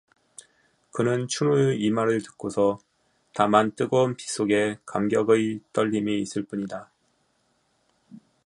그는 춘우의 이 말을 듣고서 다만 뜨거운 핏속에 감격의 떨림이 있을 뿐이다.